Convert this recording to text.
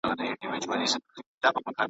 ټول د نورو له عیبونو پړسېدلی .